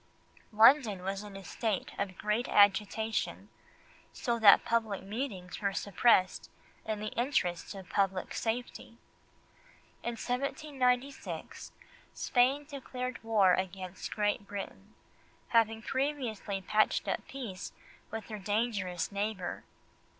London was in a state of great agitation, so that public meetings were suppressed in the interests of public safety. In 1796, Spain declared war against Great Britain, having previously patched up peace with her dangerous neighbour.